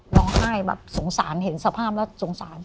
ร้องไห้แบบสงสารเห็นสภาพแล้วสงสาร